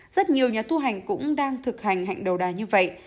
rất nhiều nhà tu hành cũng đang thực hành hạnh đầu đà như vậy